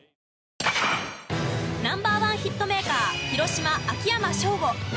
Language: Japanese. ナンバーワンヒットメーカー広島、秋山翔吾。